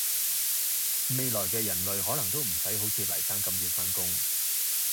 未來既人類可能都唔洗好似黎生咁要返工